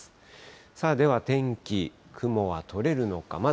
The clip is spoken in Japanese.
さあでは天気、雲は取れるのか。